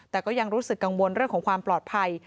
แต่ก็ยังรู้สึกกังวลเรื่องของความปลอดภัย